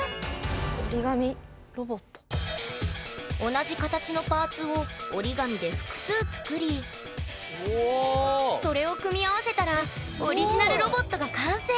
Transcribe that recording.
同じ形のパーツを折り紙で複数作りそれを組み合わせたらオリジナルロボットが完成！